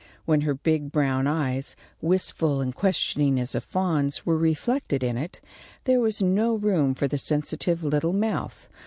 When her big brown eyes, wistful and questioning as a fawn's, were reflected in it, there was no room for the sensitive little mouth.